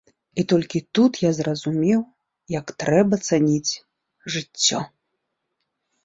І толькі тут я зразумеў, як трэба цаніць жыццё.